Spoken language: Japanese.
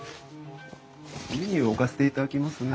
メニュー置かせていただきますね。